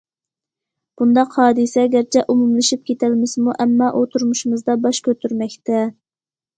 بۇنداق ھادىسە گەرچە ئومۇملىشىپ كېتەلمىسىمۇ، ئەمما، ئۇ تۇرمۇشىمىزدا باش كۆتۈرمەكتە.